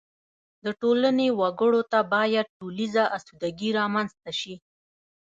د ټولنې وګړو ته باید ټولیزه اسودګي رامنځته شي.